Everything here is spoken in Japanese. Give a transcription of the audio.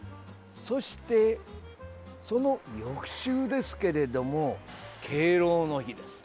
そして、その翌週ですけれども敬老の日です。